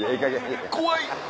怖い！